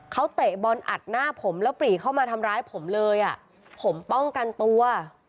เขาเตะบอลอัดหน้าผมแล้วปรีเข้ามาทำร้ายผมเลยอ่ะผมป้องกันตัว